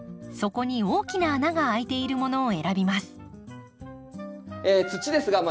底に大きな穴が開いているものを選びます。